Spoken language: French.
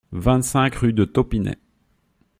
vingt-cinq rue de Taupinet